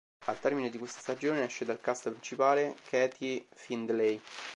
Al termine di questa stagione esce dal cast principale Katie Findlay.